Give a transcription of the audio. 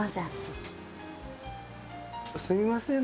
すいません。